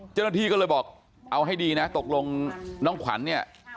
เจ้าหน้าที่ก็เลยบอกเอาให้ดีนะตกลงน้องขวัญเนี่ย